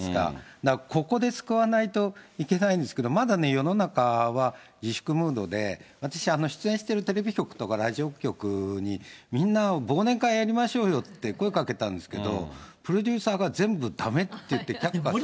だから、ここで救わないといけないんですけど、まだ世の中は自粛ムードで、私、出演しているテレビ局とか、ラジオ局にみんな、忘年会やりましょうよって、声かけたんですけど、プロデューサーが全部だめって言って、却下。